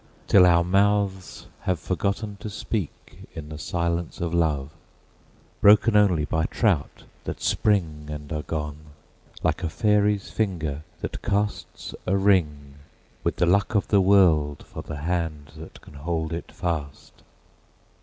till our mouths have forgotten to speakIn the silence of love, broken only by trout that springAnd are gone, like a fairy's finger that casts a ringWith the luck of the world for the hand that can hold it fast.